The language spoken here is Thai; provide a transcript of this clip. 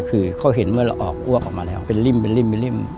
คือเขาเห็นเมื่อเราออกอวกออกมาแล้วเป็นริ่ม